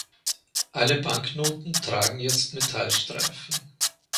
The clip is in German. Alle Banknoten tragen jetzt Metallstreifen.